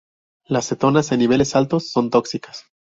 Las cetonas, en niveles altos, son tóxicas.